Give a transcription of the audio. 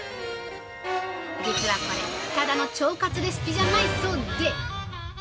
実はこれ、ただの腸活レシピじゃないそうで。